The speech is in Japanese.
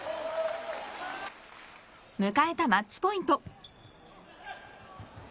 迎えたマッチポイント。